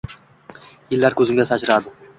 Yillar koʻzimga sachradi